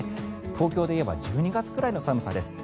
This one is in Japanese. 東京で言えば１２月くらいの寒さです。